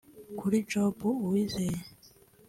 Kuri Job Uwizeye